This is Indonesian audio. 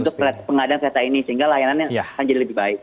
sehingga layanan yang akan jadi lebih baik